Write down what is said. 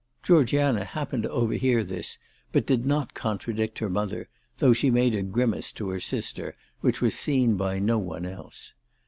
Georgiana happened to over hear this, but did not contradict her mother, though she made a grimace to her sister which was seen by no one else.